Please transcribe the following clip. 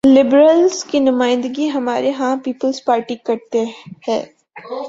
Liberals کی نمائندگی ہمارے ہاں پیپلز پارٹی کرتی ہے۔